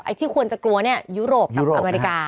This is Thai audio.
ที่ควรจะกลัวเนี่ยยุโรปกับอเมริกา